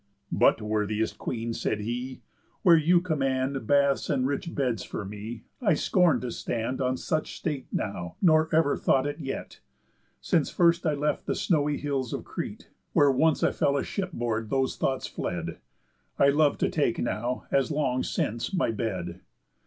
"But, worthiest Queen," said he, "where you command Baths and rich beds for me, I scorn to stand On such state now nor ever thought it yet, Since first I left the snowy hills of Crete. When once I fell a shipboard those thoughts fled; I love to take now, as long since, my bed.